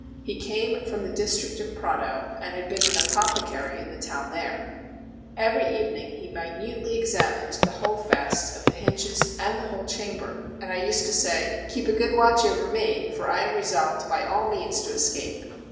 He came from the district of Prato, and had been an apothecary in the town there. Every evening he minutely examined the holdfasts of the hinges and the whole chamber, and I used to say: "Keep a good watch over me, for I am resolved by all means to escape."